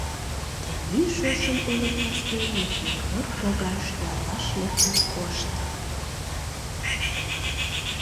— Тений шошым уло классге ме фольклор погаш яллаш лектын коштна.